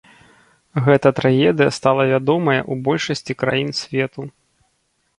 Гэта трагедыя стала вядомая ў большасці краін свету.